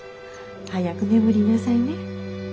早く眠りなさいね。